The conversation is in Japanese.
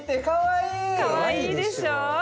かわいいでしょ。